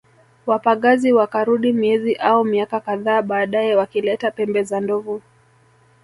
Wapagazi wakarudi miezi au miaka kadhaa baadae wakileta pembe za ndovu